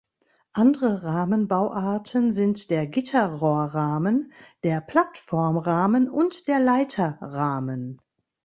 Andere Rahmen-Bauarten sind der Gitterrohrrahmen, der Plattformrahmen und der Leiterrahmen.